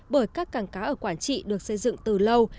bởi các cảng cá ở quảng trị được xây dựng từ lâu